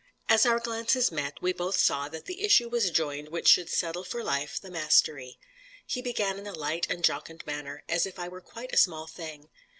As our glances met, we both saw that the issue was joined which should settle for life the mastery. He began in a light and jocund manner, as if I were quite a small thing.